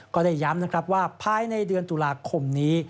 ก็ได้ย้ำนะครับว่าภายในเดือนตุลาคมนี้